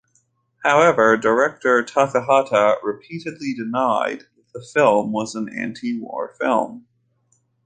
However, director Takahata repeatedly denied that the film was an anti-war film.